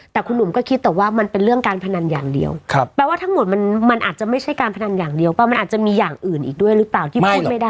แต่คุณหนุ่มก็คิดแต่ว่ามันเป็นเรื่องการพนันอย่างเดียวแปลว่าทั้งหมดมันมันอาจจะไม่ใช่การพนันอย่างเดียวป่ะมันอาจจะมีอย่างอื่นอีกด้วยหรือเปล่าที่พูดไม่ได้